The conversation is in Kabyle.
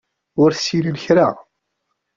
Ur ssinen kra.